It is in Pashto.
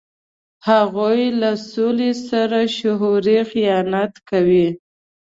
هغوی له سولې سره شعوري خیانت کوي.